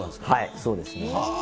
はい、そうですね。